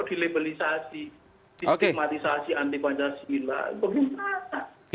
islam kok dilebelisasi